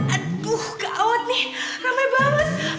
aduh ga awet nih ramai banget